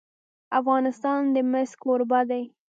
افغانستان د مس کوربه دی.